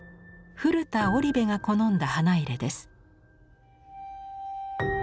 古田織部が好んだ花入れです。